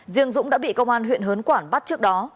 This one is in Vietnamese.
riêng dũng đã bị công an huyện hớn quản bắt trước đó